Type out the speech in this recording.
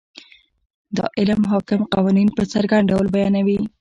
دا علم حاکم قوانین په څرګند ډول بیانوي.